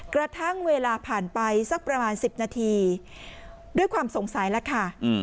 กระทั่งเวลาผ่านไปสักประมาณ๑๐นาทีด้วยความสงสัยแล้วค่ะ